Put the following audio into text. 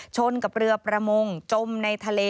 ชนกับเรือประมงจมในทะเล